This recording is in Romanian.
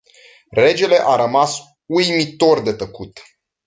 Regele a rămas uimitor de tăcut.